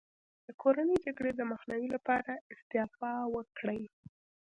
د کورنۍ جګړې د مخنیوي لپاره استعفا وکړي.